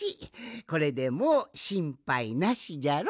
これでもうしんぱいなしじゃろ？